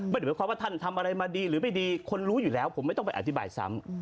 หมายความว่าท่านทำอะไรมาดีหรือไม่ดีคนรู้อยู่แล้วผมไม่ต้องไปอธิบายซ้ำ